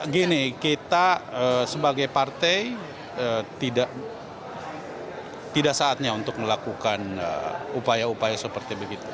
gini kita sebagai partai tidak saatnya untuk melakukan upaya upaya seperti begitu